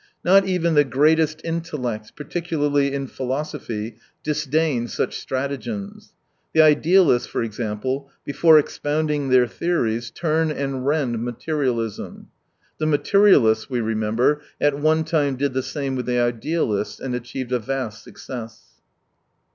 Not even the greatest intellects^ particularly in philosophy, disdain such stratagems. The idealists, for example, before expounding their theories, turn and rend materialism. The materialists, we remember, at one time did the same with the idealists, and achieved a vast success.